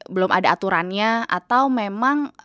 belum ada aturannya atau memang